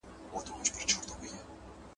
• له خوارۍ ژرنده ساتي، د خياله مزد نه اخلي.